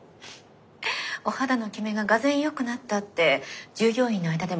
お肌のきめががぜんよくなったって従業員の間でも評判ですわよ。